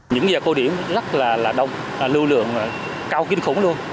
những nhà cô điểm rất là đông lưu lượng cao kinh khủng luôn